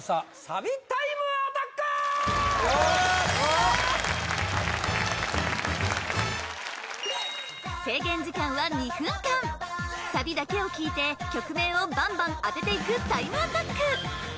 サビタイムアタック制限時間は２分間サビだけを聴いて曲名をバンバン当てていくタイムアタック